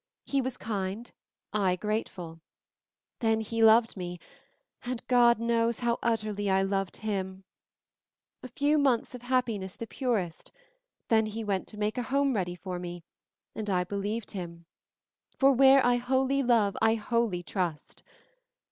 He was kind, I grateful; then he loved me, and God knows how utterly I loved him! A few months of happiness the purest, then he went to make home ready for me, and I believed him; for where I wholly love I wholly trust.